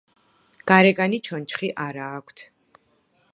გარეგანი ჩონჩხი არა აქვთ.